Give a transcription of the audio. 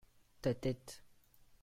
ta tête.